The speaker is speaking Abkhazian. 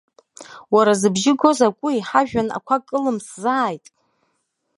Уара зыбжьы го закәи, ҳажәҩан ақәа кылымсзааит.